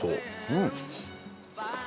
うん！